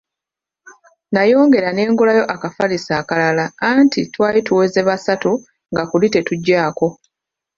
Nayongera ne ngulayo akafaliso akalala anti twali tuweze basatu nga kuli tetugyako.